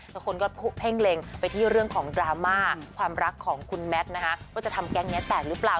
แล้วคนก็เพ่งเล็งไปที่เรื่องของดราม่าความรักของคุณแมทนะคะว่าจะทำแก๊งนี้แตกหรือเปล่า